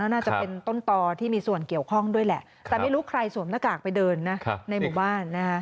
น่าจะเป็นต้นต่อที่มีส่วนเกี่ยวข้องด้วยแหละแต่ไม่รู้ใครสวมหน้ากากไปเดินนะในหมู่บ้านนะฮะ